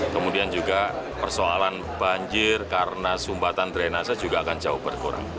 kemudian juga persoalan banjir karena sumbatan drainase juga akan jauh berkurang